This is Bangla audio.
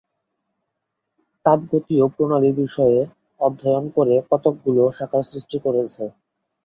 তাপগতীয় প্রণালী বিষয়ে অধ্যয়ন করে কতকগুলো শাখার সৃষ্টি হয়েছে।